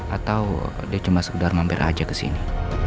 atau dia cuma sedang mampir aja kesini